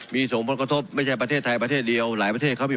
มีส่งผลกระทบไม่ใช่ประเทศไทยประเทศเดียวหลายประเทศเขามี